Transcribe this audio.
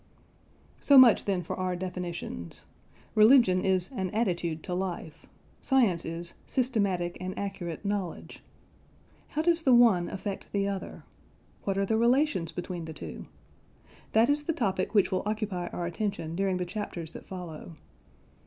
So much, then, for our definitions. Religion is "an attitude to life": science is "systematic and accurate knowledge." How does the one affect the other? What are the relations between the two? That is the topic which will occupy our attention during the chapters that follow.